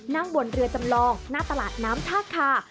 นั่งบนเรือจำลองหน้าตลาดน้ำท่าคา